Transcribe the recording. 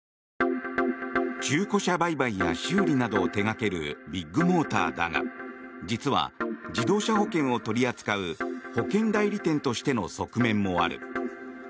中古車売買や修理などを手掛けるビッグモーターだが実は、自動車保険を取り扱う保険代理店としての側面もある。